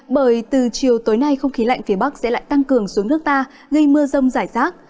bởi từ chiều tối nay không khí lạnh phía bắc sẽ lại tăng cường xuống nước ta gây mưa rông rải rác